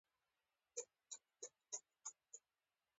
دغه راز، حضرت محمد ص څرنګه په یوه موضوع کي.